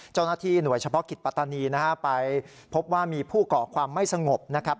เจ้าหน้าที่หน่วยเฉพาะกิจปัตตานีนะฮะไปพบว่ามีผู้ก่อความไม่สงบนะครับ